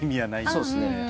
そうですね。